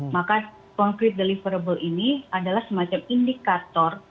maka konkret deliverable ini adalah semacam indikator